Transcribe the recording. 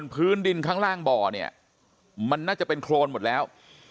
พื้นดินข้างล่างบ่อเนี่ยมันน่าจะเป็นโครนหมดแล้ว